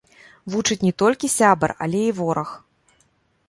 Вучыць не толькі сябар, але і вораг.